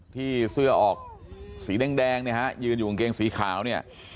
ที่เสื้อออกสีแดงเนี่ยฮะยืนอยู่กางเกงสีขาวเนี่ย